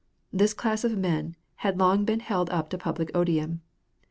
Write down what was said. This class of men had long been held up to public odium.